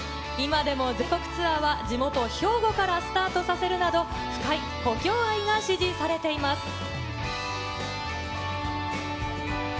今でも全国ツアーは地元、兵庫からスタートさせるなど、深い故郷愛が支持されています。